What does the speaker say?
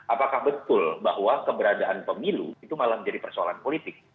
apakah betul bahwa keberadaan pemilu itu malah menjadi persoalan politik